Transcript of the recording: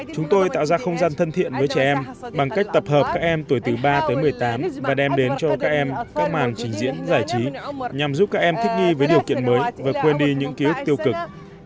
chúng tôi tạo ra không gian thân thiện với trẻ em bằng cách tập hợp các em tuổi từ ba tới một mươi tám và đem đến cho các em các màn trình diễn giải trí nhằm giúp các em thích nghi với điều kiện mới và quên đi những ký ức tiêu cực